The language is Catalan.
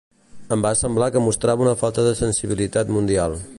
Em va semblar que mostrava una falta de sensibilitat mundial.